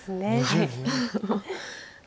はい。